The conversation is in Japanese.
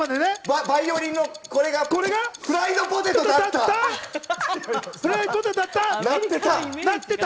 バイオリンのこれがフライドポテトだった！